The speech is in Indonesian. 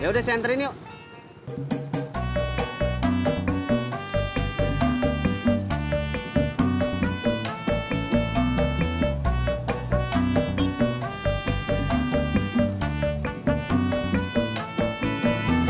yaudah saya anterin yuk